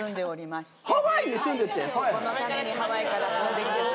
今日このためにハワイから飛んできてくれました。